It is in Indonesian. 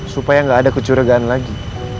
supaya nggak ada kecurigaan lagi